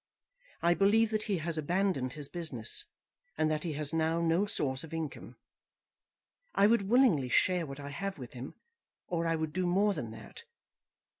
I believe that he has abandoned his business, and that he has now no source of income. I would willingly share what I have with him; or I would do more than that.